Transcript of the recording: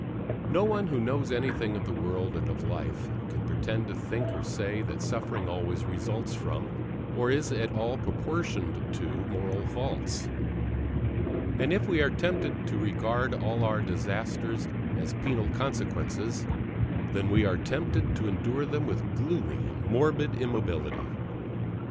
No one who knows anything of the world and of life can pretend to think or say that suffering always results from, or is at all proportioned to, moral faults; and if we are tempted to regard all our disasters as penal consequences, then we are tempted to endure them with gloomy and morbid immobility.